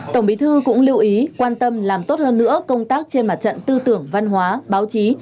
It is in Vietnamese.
tổng bí thư cũng lưu ý quan tâm làm tốt hơn nữa công tác trên mặt trận tư tưởng văn hóa báo chí